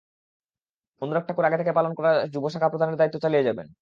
অনুরাগ ঠাকুর আগে থেকে পালন করা যুব শাখা প্রধানের দায়িত্ব চালিয়ে যাবেন।